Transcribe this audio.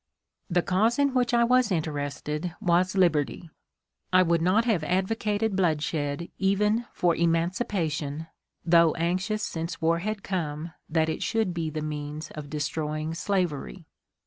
The cause in which I was interested was liberty ; I would not have advocated bloodshed even for emancipation, though anxious since war had come that it should be the means of destroying slavery.